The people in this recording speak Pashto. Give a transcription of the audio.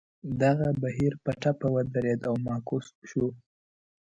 دغه بهیر په ټپه ودرېد او معکوس شو.